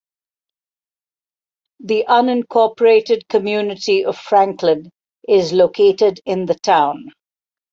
The unincorporated community of Franklin is located in the town.